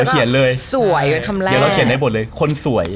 เดี๋ยวเราเขียนได้บทเลยคนสวย